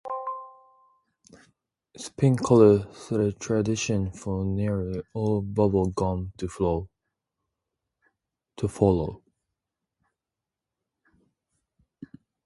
Its pink color set a tradition for nearly all bubble gums to follow.